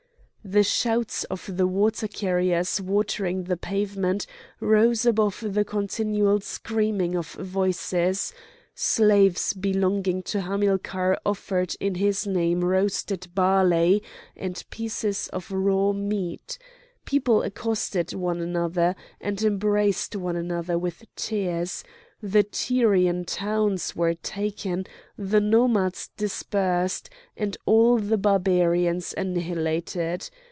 The shouts of the water carriers watering the pavement rose above the continual screaming of voices; slaves belonging to Hamilcar offered in his name roasted barley and pieces of raw meat; people accosted one another, and embraced one another with tears; the Tyrian towns were taken, the nomads dispersed, and all the Barbarians annihilated.